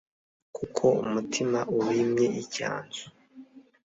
Kuko umutima ubimye icyanzu,